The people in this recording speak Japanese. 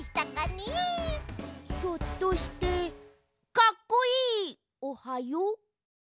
ひょっとして「かっこいいおはよう」？